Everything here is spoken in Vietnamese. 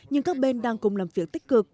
nhưng các bên đang cùng làm việc tích cực